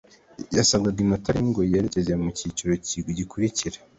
yasabwaga inota rimwe ngo yerekeze mu cyiciro gikurikira